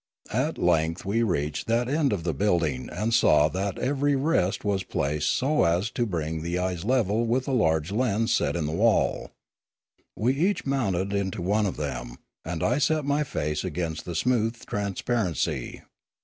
At length we reached that end of the building and saw that every rest was placed so as to bring the eyes level with a large lens set in the wall. We each mounted into one of them, and I set my face against the smooth transparency.